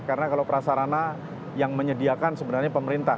karena kalau prasarana yang menyediakan sebenarnya pemerintah